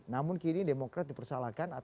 namun kini demokrat dipersalahkan